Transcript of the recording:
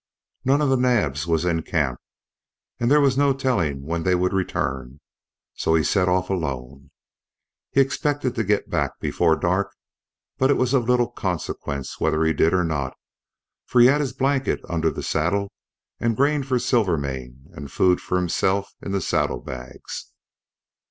None of the Naabs was in camp, and there was no telling when they would return, so he set off alone. He expected to get back before dark, but it was of little consequence whether he did or not, for he had his blanket under the saddle, and grain for Silvermane and food for himself in the saddle bags.